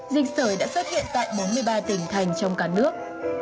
dịch sởi đã xuất hiện tại bốn mươi ba tỉnh thành trong cả nước